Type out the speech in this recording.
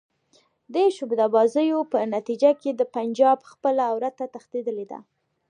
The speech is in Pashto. دې شعبده بازیو په نتیجه کې د پنجاب خپله عورته تښتېدلې ده.